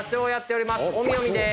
おみおみです。